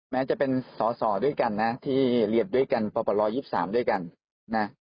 แม้จะเป็นสอสอด้วยกันนะที่เรียนด้วยกันปปร๒๓ด้วยกันนะ